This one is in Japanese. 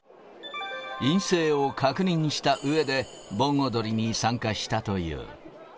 陰性を確認したうえで、盆踊りに参加したという。